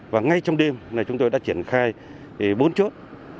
và ngay trong đêm chúng tôi đã triển khai bốn chốt